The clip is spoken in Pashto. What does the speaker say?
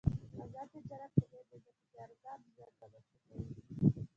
آزاد تجارت مهم دی ځکه چې ارزان ژوند رامنځته کوي.